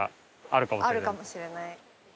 あるかもしれない？